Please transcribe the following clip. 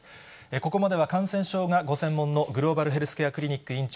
ここまでは感染症がご専門のグローバルヘルスケアクリニック院長、